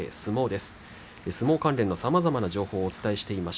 相撲関連のさまざまな情報をお伝えしています。